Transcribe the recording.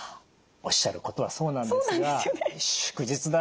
おっしゃることはそうなんですが「祝日だ。